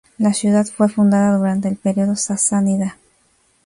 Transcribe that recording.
La ciudad fue fundada durante el período sasánida.